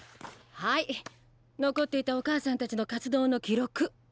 はい残っていたお母さんたちの活動の記録。